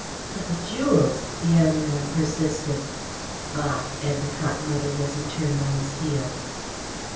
"But the jewels!" the young man persisted. "Bah!" Endacott muttered, as he turned on his heel.